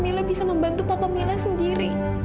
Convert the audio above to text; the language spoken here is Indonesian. mila bisa membantu papa mila sendiri